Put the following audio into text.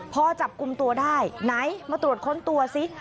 พอจับกลุ่มตัวได้ไหนมาตรวจค้นตัวซิ